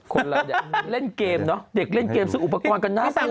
คนเล่นเกมเนอะเด็กเล่นเกมซื้ออุปกรณ์กันน่ะ